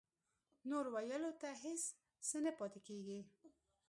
نور ویلو ته هېڅ څه نه پاتې کېږي